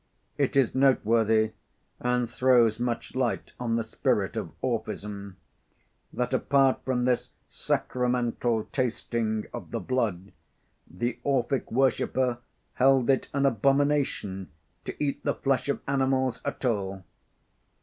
It is noteworthy, and throws much light on the spirit of Orphism, that apart from this sacramental tasting of the blood, the Orphic worshipper held it an abomination to eat the flesh of animals at all.